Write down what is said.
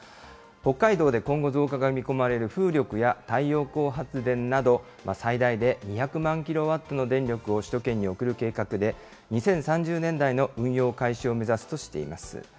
北海道で今後、増加が見込まれる風力や太陽光発電など、最大で２００万キロワットの電力を首都圏に送る計画で、２０３０年代の運用開始を目指すとしています。